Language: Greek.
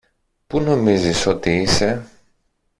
που νομίζεις ότι είσαι